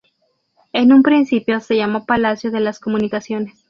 En un principio se llamó Palacio de las Comunicaciones.